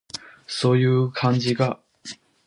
そういう感じか